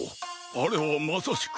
あれはまさしく。